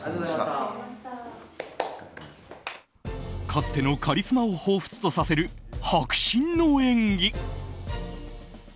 かつてのカリスマをほうふつとさせる迫真の演技。